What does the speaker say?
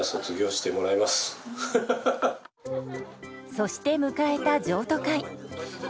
そして迎えた譲渡会。